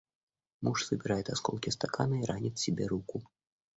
Муж собирает осколки стакана и ранит себе руку.